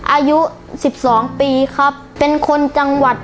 อายุสิบสองปีครับเป็นคนจังหวัด